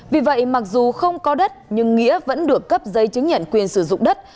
vì vậy mặc dù không có đất nhưng nghĩa vẫn được cấp giấy chứng nhận quyền sử dụng đất